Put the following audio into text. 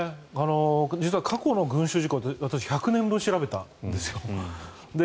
実は、過去の群衆事故１００年分調べたんですよ。